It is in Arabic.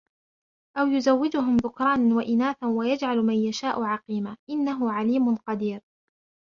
أو يزوجهم ذكرانا وإناثا ويجعل من يشاء عقيما إنه عليم قدير